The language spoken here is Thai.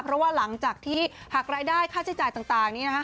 เพราะว่าหลังจากที่หากรายได้ค่าใช้จ่ายต่างนี้นะคะ